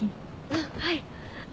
あっはい。